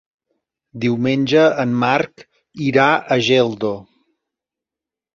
Diumenge en Marc irà a Geldo.